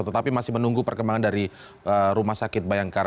tetapi masih menunggu perkembangan dari rumah sakit bayangkara